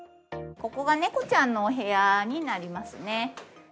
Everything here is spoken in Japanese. ここが猫ちゃんのお部屋になりますね。